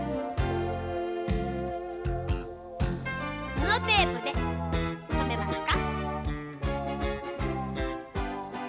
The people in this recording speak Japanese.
ぬのテープでとめますか。